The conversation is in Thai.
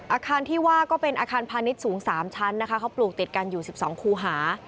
อาคารที่ว่าก็เป็นอาคารพาณิชย์สูง๓ชั้นนะคะเขาปลูกติดกันอยู่๑๒คูหา